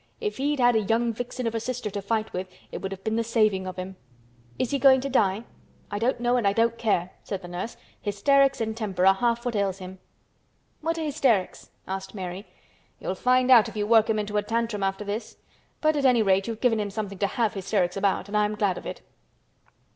"If he'd had a young vixen of a sister to fight with it would have been the saving of him." "Is he going to die?" "I don't know and I don't care," said the nurse. "Hysterics and temper are half what ails him." "What are hysterics?" asked Mary. "You'll find out if you work him into a tantrum after this—but at any rate you've given him something to have hysterics about, and I'm glad of it."